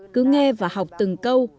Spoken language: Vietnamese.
cứ nghe và học từng câu